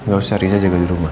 gak usah riza juga di rumah